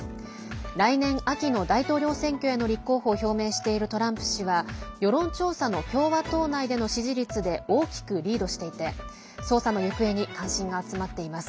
来年秋の大統領選挙への立候補を表明しているトランプ氏は世論調査の共和党内での支持率で大きくリードしていて捜査の行方に関心が集まっています。